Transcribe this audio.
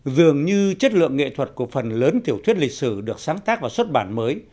dường như chất lượng nghệ thuật của phần lớn tiểu thuyết lịch sử được sáng tác và xuất bản mới